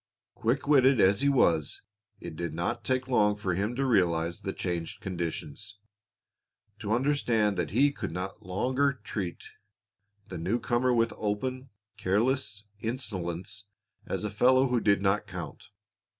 Quick witted as he was, it did not take long for him to realize the changed conditions, to understand that he could not longer treat the new comer with open, careless insolence as a fellow who did not count.